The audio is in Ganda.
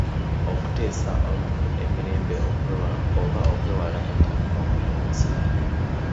Okuteesa emirembe oba okwewala entalo n’okuyiwa omusaayi.